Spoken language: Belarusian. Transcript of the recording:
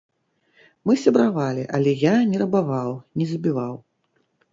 Мы сябравалі, але я не рабаваў, не забіваў.